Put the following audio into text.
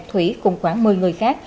thủy cùng khoảng một mươi người khác